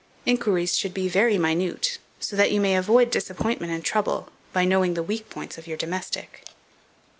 Inquiries should be very minute, so that you may avoid disappointment and trouble, by knowing the weak points of your domestic.